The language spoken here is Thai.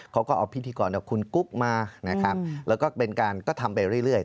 เค้าก็เอาพิธีกรกุ๊บมาแล้วก็ทำไปเรื่อย